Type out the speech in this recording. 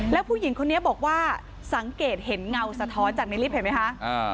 แล้วผู้หญิงคนนี้บอกว่าสังเกตเห็นเงาสะท้อนจากในลิฟต์เห็นไหมคะ